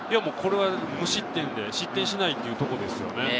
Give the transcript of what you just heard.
無失点で失点しないということですよね。